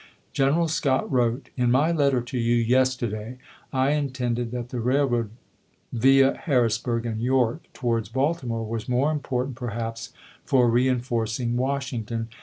General Scott wrote : In my letter to you yesterday, I intended that the rail road via Harrisburg and York towards Baltimore was more important, perhaps, for reenforcing Washington, journey through Baltimore.